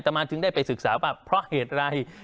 มาจึงได้ไปศึกษาว่าเพราะเหตุอะไร